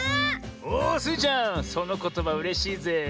おスイちゃんそのことばうれしいぜえ。